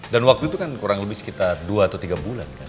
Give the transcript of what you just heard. dan waktu itu kan kurang lebih sekitar dua atau tiga bulan kan